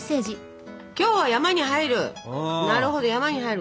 「今日は山に入る」。